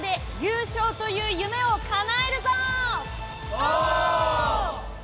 お！